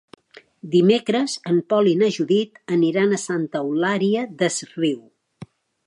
Dimecres en Pol i na Judit aniran a Santa Eulària des Riu.